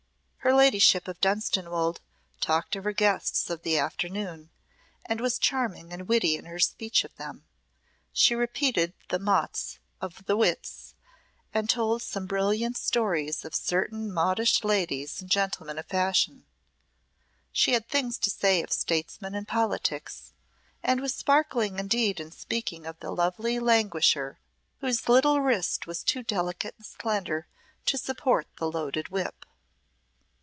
Her Ladyship of Dunstanwolde talked of her guests of the afternoon, and was charming and witty in her speech of them; she repeated the mots of the wits, and told some brilliant stories of certain modish ladies and gentlemen of fashion; she had things to say of statesmen and politics, and was sparkling indeed in speaking of the lovely languisher whose little wrist was too delicate and slender to support the loaded whip.